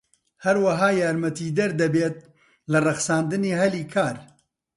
هەروەها یارمەتیدەر دەبێت لە ڕەخساندنی هەلی کار.